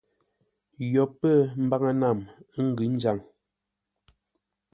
Yo pə̂ mbaŋə-nam, ə́ ngʉ̌ njaŋ.